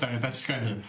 確かに。